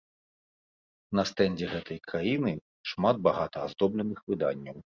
На стэндзе гэтай краіны шмат багата аздобленых выданняў.